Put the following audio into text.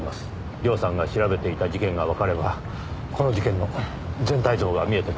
涼さんが調べていた事件がわかればこの事件の全体像が見えてくるはずです。